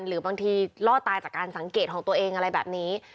หรือบางทีรอดตายจากการสังเกตของตัวเองอะไรแบบนี้